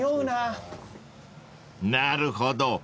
［なるほど。